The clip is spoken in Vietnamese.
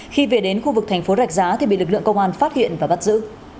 khi về đến khu vực thành phố rạch giá thì bị lực lượng công an phát hiện và bắt giữ